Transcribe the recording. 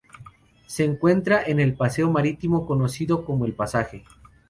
Se encuentra en el paseo Marítimo, conocido como el Pasaje.